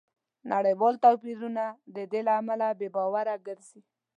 نړیوال توپیرونه د دې له امله بې باوره ګرځي